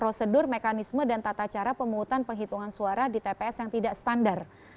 prosedur mekanisme dan tata cara pemungutan penghitungan suara di tps yang tidak standar